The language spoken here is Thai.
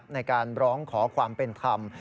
ในการร้องขอความเป็นธรรม